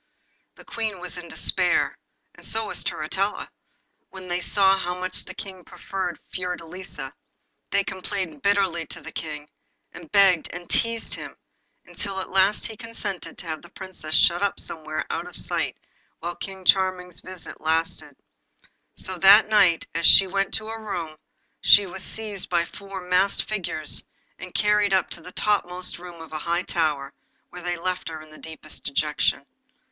The Queen was in despair, and so was Turritella, when they saw how much the King preferred Fiordelisa. They complained bitterly to the King, and begged and teased him, until he at last consented to have the Princess shut up somewhere out of sight while King Charming's visit lasted. So that night, as she went to her room, she was seized by four masked figures, and carried up into the topmost room of a high tower, where they left her in the deepest dejection.